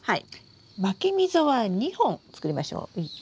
まき溝は２本作りましょう。